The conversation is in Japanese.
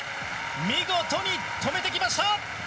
見事に止めてきました。